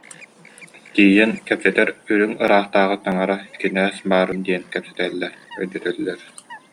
Тиийэн кэпсэтэр, үрүҥ ыраахтааҕы, таҥара, кинээс баар диэн кэпсэтэллэр, өйдөтөллөр